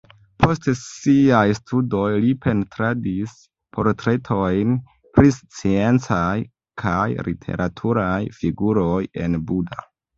Post siaj studoj li pentradis portretojn pri sciencaj kaj literaturaj figuroj en Buda.